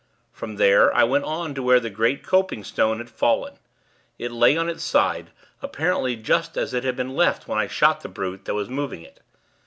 From there, I went on to where the great copingstone had fallen. It lay on its side, apparently just as it had been left when I shot the brute that was moving it.